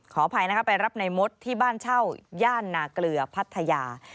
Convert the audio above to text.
ขออภัยนะคะไปรับในมดที่บ้านเช่าย่านนาเกลือพัทยา